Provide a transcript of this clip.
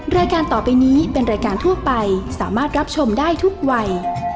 รายการต่อไปนี้เป็นรายการทั่วไปสามารถรับชมได้ทุกวัย